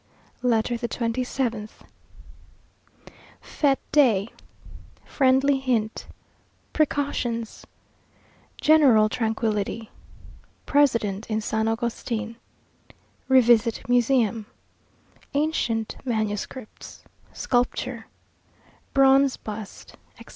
] LETTER THE TWENTY SEVENTH Fête day Friendly Hint Precautions General Tranquillity President in San Agustin Revisit Museum Ancient Manuscripts Sculpture Bronze Bust, etc.